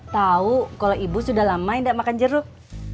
tau kalo ibu sudah lama enggak makan jeruk